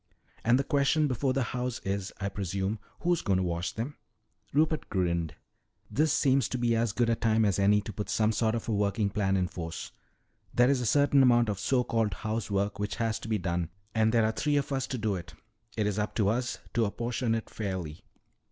"And the question before the house is, I presume, who's going to wash them?" Rupert grinned. "This seems to be as good a time as any to put some sort of a working plan in force. There is a certain amount of so called housework which has to be done. And there are three of us to do it. It's up to us to apportion it fairly.